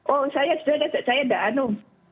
oh saya sudah ada saya enggak anu